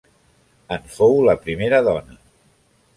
En fou la primera dona.